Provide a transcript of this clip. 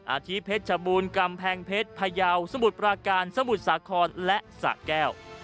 อาทิตย์เพชรชบูรณ์กำแพงเพชรพยาวสมุทรปราการสมุทรสาครและสะแก้ว